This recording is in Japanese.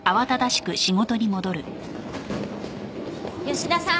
吉田さん